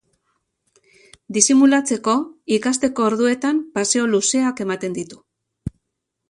Disimulatzeko, ikasteko orduetan, paseo luzeak ematen ditu.